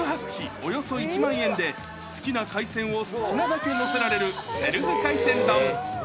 およそ１万円で、好きな海鮮を好きなだけ載せられるセルフ海鮮丼。